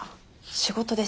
仕事です。